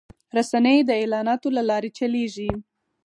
رسنۍ د اعلاناتو له لارې چلېږي